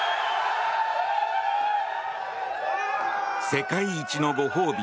世界一のご褒美